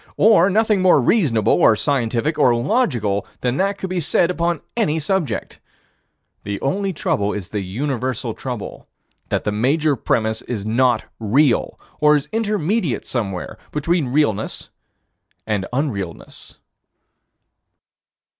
Or nothing more reasonable or scientific or logical than that could be said upon any subject. The only trouble is the universal trouble: that the major premise is not real, or is intermediate somewhere between realness and unrealness.